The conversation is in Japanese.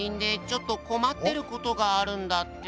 ちょっと困ってることがあるんだって。